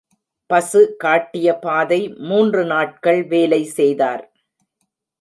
பசு காட்டிய பாதை மூன்று நாட்கள் வேலை செய்தார்